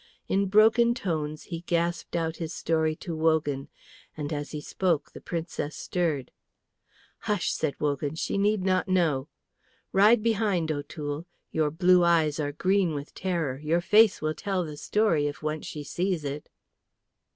In broken tones he gasped out his story to Wogan, and as he spoke the Princess stirred. "Hush!" said Wogan; "she need not know. Ride behind, O'Toole! Your blue eyes are green with terror. Your face will tell the story, if once she sees it."